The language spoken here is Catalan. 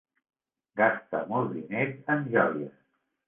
Gasta molts diners en joies.